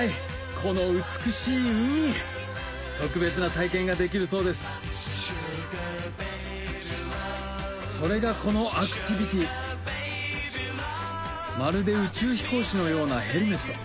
この美しい海特別な体験ができるそうですそれがこのアクティビティまるで宇宙飛行士のようなヘルメット